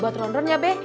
buat ron ron ya be